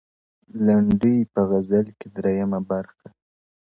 لنډۍ په غزل کي- درېیمه برخه-